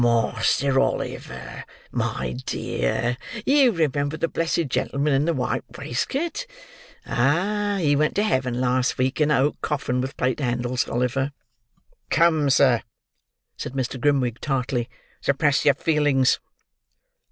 "Master Oliver, my dear, you remember the blessed gentleman in the white waistcoat? Ah! he went to heaven last week, in a oak coffin with plated handles, Oliver." "Come, sir," said Mr. Grimwig, tartly; "suppress your feelings."